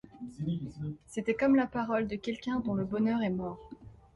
C’était comme la parole de quelqu’un dont le bonheur est mort.